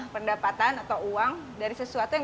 pendapatan atau uang dari sesuatu yang